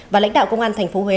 và lãnh đạo công an thành phố huế